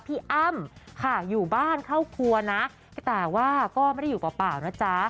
อ้ำค่ะอยู่บ้านเข้าครัวนะแต่ว่าก็ไม่ได้อยู่เปล่านะจ๊ะ